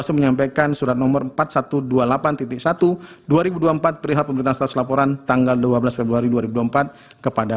menyampaikan surat nomor empat ribu satu ratus dua puluh delapan satu dua ribu dua puluh empat perihal pemerintahan status laporan tanggal dua belas februari dua ribu dua puluh empat kepada